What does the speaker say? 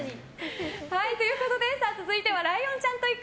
続いてはライオンちゃんと行く！